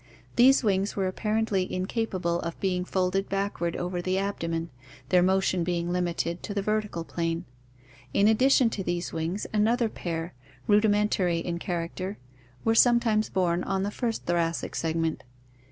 These wings were apparently incapable of being folded backward over the abdomen, their motion being limited to the vertical plane. In addition to these wings, another pair, rudimentary in character, were some times borne on the first thoracic segment.